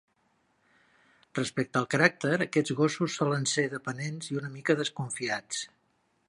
Respecte al caràcter, aquests gossos solen ser dependents i una mica desconfiats.